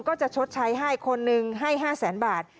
ก็จะชดใช้ให้คนหนึ่งให้๕แสนบาท